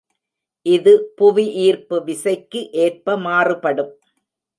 இது புவி ஈர்ப்பு விசைக்கு ஏற்ப மாறுபடும்.